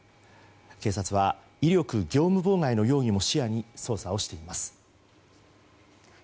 警察は威力業務妨害の容疑も視野に捜査しています。